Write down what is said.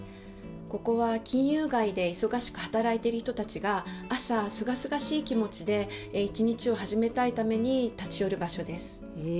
ここは金融街で忙しく働いている人たちが朝すがすがしい気持ちで一日を始めたいために立ち寄る場所です。